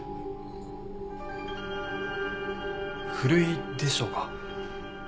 ふるいでしょうか。